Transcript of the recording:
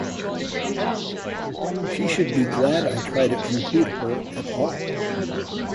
She should be glad I try to include her at all.